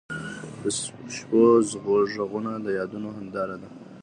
د شپو ږغونه د یادونو هنداره ده.